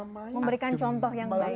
memberikan contoh yang baik